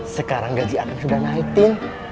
sekarang gaji akan sudah naik tin